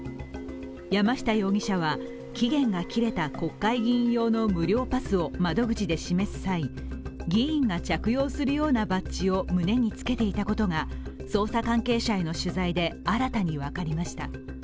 山下容疑者は期限が切れた国会議員用の無料パスを窓口で示す際、議員が着用するようなバッジを胸につけていたことが、捜査関係者への取材で新たに分かりました。